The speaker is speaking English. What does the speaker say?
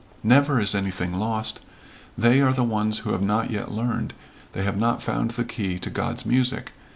"Never is anything lost. They are the ones who have not yet learned they have not found the key to God's music.